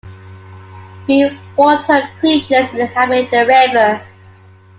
Few water creatures inhabit the river.